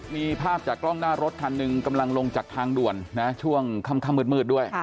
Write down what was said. มีภาพจากกล้องหน้ารถคันนึงทางด่วนช่วงค่ำมืดด้วย